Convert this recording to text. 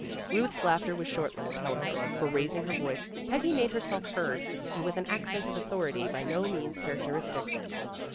Ruth's laughter was short lived, however, for raising her voice, Peggy made herself heard, and with an accent of authority by no means character istic.